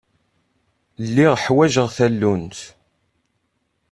Lliɣ ḥwaǧeɣ tallunt.